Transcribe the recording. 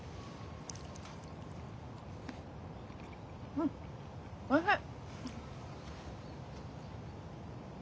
うんおいしい。